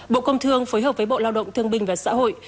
bộ công thương phối hợp với bộ lao động thương binh và xã hội